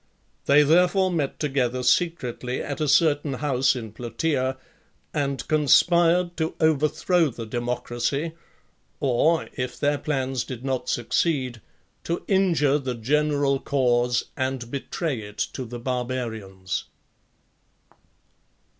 They therefore ~ met together secretly at a certain house in Plataea, and conspired to overthrow the democracy. ; \or,. if their plans did. not) succeed, to injure. the general cause and betray it to the Barbarians.